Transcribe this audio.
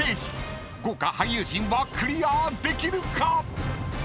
［豪華俳優陣はクリアできるか⁉］